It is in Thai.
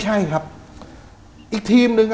ภาคร